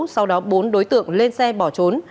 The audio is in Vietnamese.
sau đó bốn đối tượng lên xe bỏ trốn